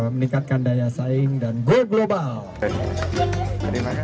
meningkatkan daya saing dan go global